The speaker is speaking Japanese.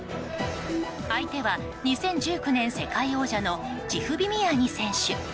相手は２０１９年世界王者のチフビミアニ選手。